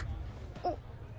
あっ。